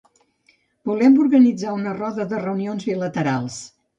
Volem organitzar una roda de reunions bilaterals.